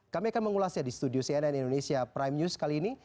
kami akan mengulasnya di studio cnn indonesia prime news kali ini